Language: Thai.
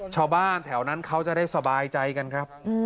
ชาวบ้านแถวนั้นเขาจะได้สบายใจกันครับ